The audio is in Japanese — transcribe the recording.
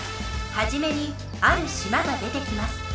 はじめにある島が出てきます。